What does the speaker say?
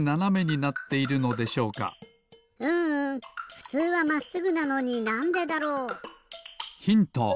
ふつうはまっすぐなのになんでだろう？ヒント！